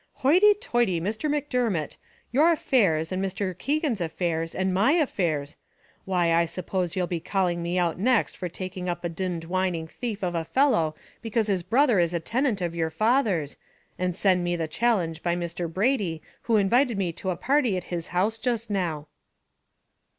"Hoity toity, Mr. Macdermot; your affairs, and Mr. Keegan's affairs, and my affairs! Why I suppose you'll be calling me out next for taking up a d d whining thief of a fellow because his brother is a tenant of your father's, and send me the challenge by Mr. Brady, who invited me to a party at his house just now."